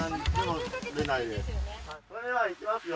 それではいきますよ。